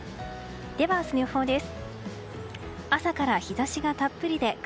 では、明日の予報です。